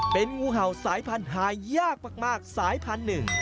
เป็นงูเห่าสายพันธุ์หายากมากสายพันธุ์หนึ่ง